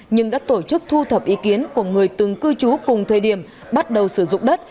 nhưng đã tổ chức thu thập ý kiến của người từng cư trú cùng thời điểm bắt đầu sử dụng đất